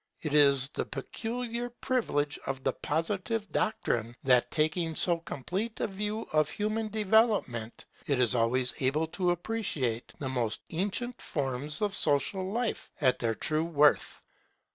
It is the peculiar privilege of the Positive doctrine that, taking so complete a view of human development, it is always able to appreciate the most ancient forms of social life at their true worth.